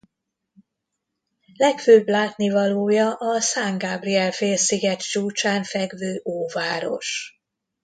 Legfőbb látnivalója a San Gabriel-félsziget csúcsán fekvő óváros.